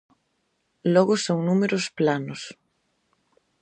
Logo son números planos.